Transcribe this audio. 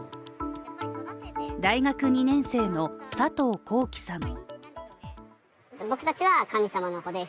大学２年生の佐藤光樹さん。